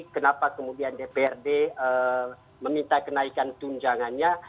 kenapa kemudian dprd meminta kenaikan tunjangannya